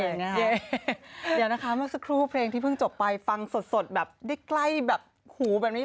เดี๋ยวนะคะเมื่อสักครู่เพลงที่เพิ่งจบไปฟังสดแบบได้ใกล้แบบหูแบบนี้